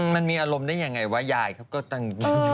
มันมีอารมณ์ได้อย่างไรวะยายเขาก็ตั้งอยู่ทางนั้นแล้วนะ